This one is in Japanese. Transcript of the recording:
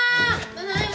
ただいま。